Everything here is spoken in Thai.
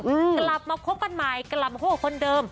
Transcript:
กลับมาคบกันใหม่กลับมาคบกับคนเดิม